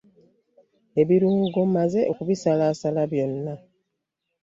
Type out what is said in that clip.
Ebirungo mmaze okubisalaasala byonna.